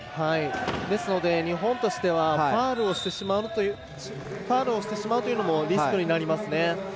ですので日本としてはファウルをしてしまうというのもリスクになりますね。